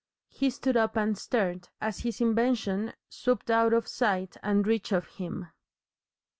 He stood up and stared as his invention swooped out of sight and reach of him.